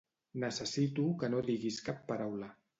Necessito que no diguis cap paraula.